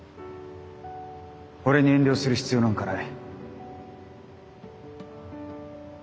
俺に遠慮する必要なんかない。